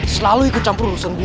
selalu ikut campur urusan gue